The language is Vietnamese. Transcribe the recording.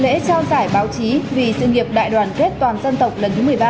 lễ trao giải báo chí vì sự nghiệp đại đoàn kết toàn dân tộc lần thứ một mươi ba